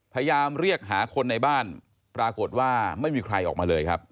พยายามเรียกหาคนในบ้านปรากฏว่าไม่มีใครออกมาเลยครับ